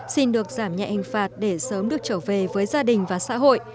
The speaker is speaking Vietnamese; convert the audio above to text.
xin được giảm nhạy hành phạt để sớm được trở về với gia đình và xã hội